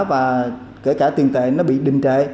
và kể cả tiền tệ bị đình trệ